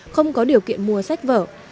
không có điều kiện mua sách vở